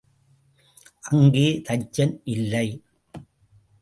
அங்கே தச்சன் இல்லை.